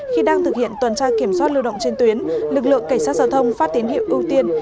khi đang thực hiện tuần tra kiểm soát lưu động trên tuyến lực lượng cảnh sát giao thông phát tín hiệu ưu tiên